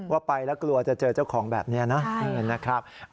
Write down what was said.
ว่าไปแล้วกลัวจะเจอเจ้าของแบบนี้นะครับ